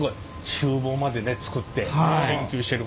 ちゅう房までね作って研究してる。